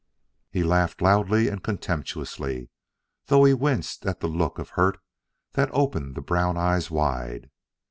He laughed loudly and contemptuously, though he winced at the look of hurt that opened the brown eyes wide.